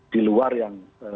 di luar yang